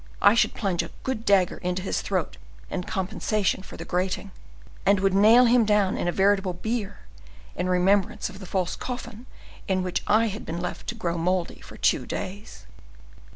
I should plunge a good dagger into his throat in compensation for the grating, and would nail him down in a veritable bier, in remembrance of the false coffin in which I had been left in to grow moldy for two days."